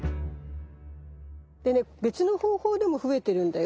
でね別の方法でも増えてるんだよ。